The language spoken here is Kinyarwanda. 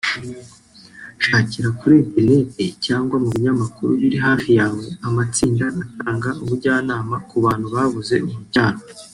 Shakira kuri interineti cyangwa mu binyamakuru biri hafi yawe amatsinda atanga ubujyanama ku bantu babuze urubyaro